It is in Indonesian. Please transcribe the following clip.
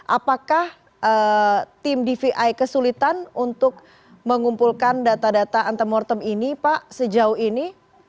apakah tim dvi kesulitan untuk mengumpulkan data data antemortem ini pak sejauh ini